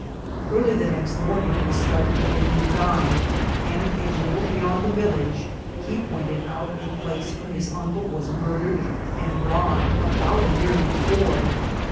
Early the next morning we started with a new guide, and a little beyond the village he pointed out a place where his uncle was murdered and robbed about a year before.